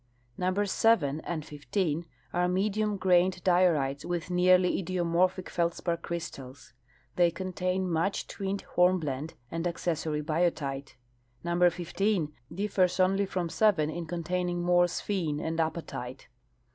Numbers 7 and 15 are medium grained diorites with nearly idiomorphic feldspar crystals. The}' contain much twinned hornblende and accessor}' biotite. Numl^er 15 differs only from 7 in containing more sphene and apatite.